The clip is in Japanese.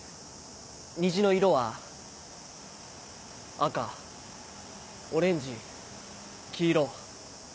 虹の色は赤オレンジ黄色